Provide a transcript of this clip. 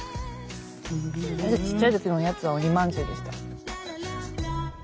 ちっちゃいときのおやつは鬼まんじゅうでした。